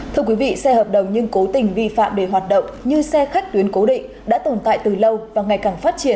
thưa quý vị xe hợp đồng nhưng cố tình vi phạm để hoạt động như xe khách tuyến cố định đã tồn tại từ lâu và ngày càng phát triển